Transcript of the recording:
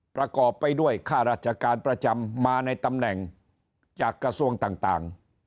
ประกอบไปด้วยข้าราชการประจำมาในตำแหน่งจากกระทรวงต่าง